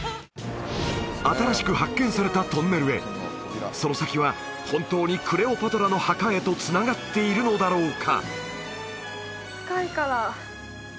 新しく発見されたトンネルへその先は本当にクレオパトラの墓へとつながっているのだろうか？